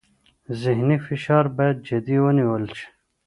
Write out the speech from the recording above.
ذهني فشار باید جدي ونیول شي.